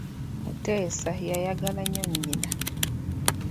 Mutesa yayagala nnyo nnyina.